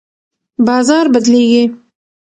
بازار بدلیږي.